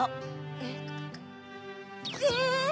えっ。え！